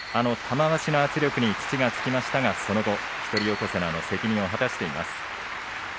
三日目、玉鷲への圧力に土がつきましたがその後、一人横綱の責任を果たしています。